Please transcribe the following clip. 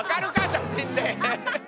写真で。